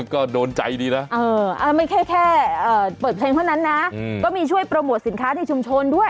ก็โดนใจดีนะไม่ใช่แค่เปิดเพลงเท่านั้นนะก็มีช่วยโปรโมทสินค้าในชุมชนด้วย